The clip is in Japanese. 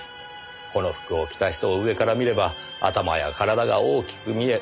この服を着た人を上から見れば頭や体が大きく見え